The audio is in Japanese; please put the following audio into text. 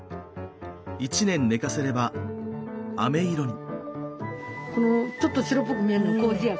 一年寝かせればあめ色に。